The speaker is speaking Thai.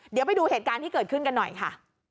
เดี๋ยวไปดูเหตุการณ์ที่เกิดขึ้นกันหน่อยค่ะ